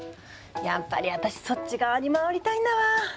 やっぱり私そっち側に回りたいんだわ。